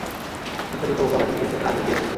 শুনতে বোকা বোকা লাগছে, কিন্তু কাজে দিয়েছিলো।